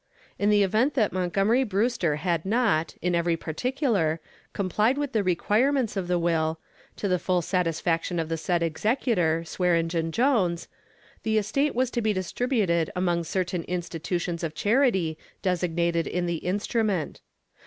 In the event that Montgomery Brewster had not, in every particular, complied with the requirements of the will, to the full satisfaction of the said executor, Swearengen Jones, the estate was to be distributed among certain institutions of charity designated in the instrument.